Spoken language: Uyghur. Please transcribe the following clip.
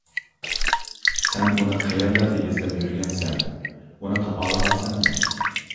سەن ئۇنى قەيەرلەردە ئىزدەپ يۈرگەنسەن، ئۇنى تاپالىغانسەنمۇ؟